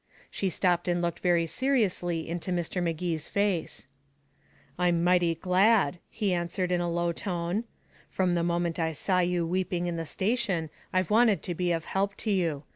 She stopped and looked very seriously into Mr. Magee's face. "I'm mighty glad," he answered in a low tone. "From the moment I saw you weeping in the station I've wanted to be of help to you.